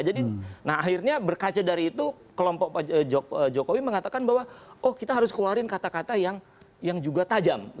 jadi akhirnya berkaca dari itu kelompok pak jokowi mengatakan bahwa kita harus keluarin kata kata yang juga tajam